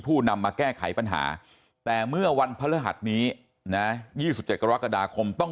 ผู้นำมาแก้ไขปัญหาแต่เมื่อวันพฤหัสนี้นะ๒๗กรกฎาคมต้อง